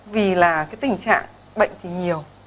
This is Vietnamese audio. vì là cái tình trạng bệnh thì nhiều